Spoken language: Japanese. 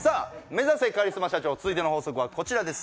「目指せカリスマ社長」続いての法則はこちらです